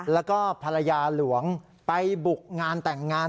แล้วก็ภรรยาหลวงไปบุกงานแต่งงาน